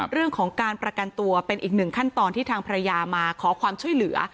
เรื่องของการประกันตัวเป็นอีกหนึ่งขั้นตอนที่ทางภรรยามาขอความช่วยเหลือ